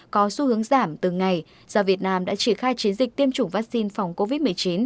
có xu hướng giảm từ ngày do việt nam đã chỉ khai chiến dịch tiêm chủng vắc xin phòng covid một mươi chín